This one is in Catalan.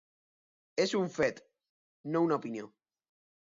És un fet, no una opinió.